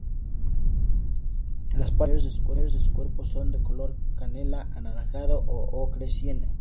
Las partes inferiores de su cuerpo son de color canela anaranjado o ocre siena.